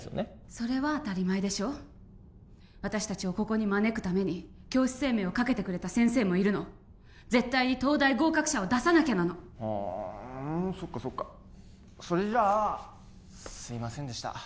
それは当たり前でしょ私達をここに招くために教師生命をかけてくれた先生もいるの絶対に東大合格者を出さなきゃなのふんそっかそっかそれじゃあすいませんでした